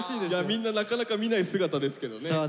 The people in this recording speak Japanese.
みんななかなか見ない姿ですけどね。